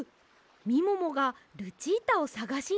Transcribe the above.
みももがルチータをさがしにいったんです！